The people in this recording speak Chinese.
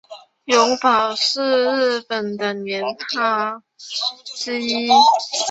永保是日本的年号之一。